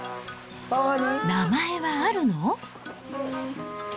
名前はあるの？